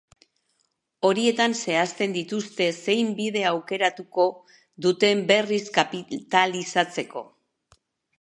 Horietan zehazten dituzte zein bide aukeratuko duten berriz kapitalizatzeko.